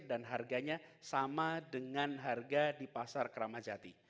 dan harganya sama dengan harga di pasar keramajati